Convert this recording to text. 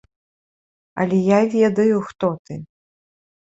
Але я ведаю, хто ты.